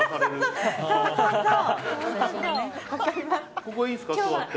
ここいいですか、座って。